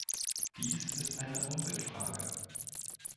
Dies ist eine Umweltfrage.